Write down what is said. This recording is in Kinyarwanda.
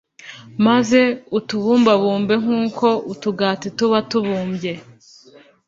maze ukibumbabumbe nkuko utugati tuba tubumbye